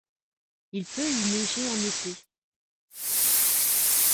Il peut y neiger en été.